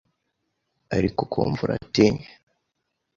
ariko ukumva uratinya